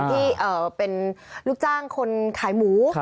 ที่เป็นลูกจ้างคนขายหมู